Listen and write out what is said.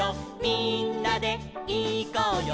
みんなでいこうよ」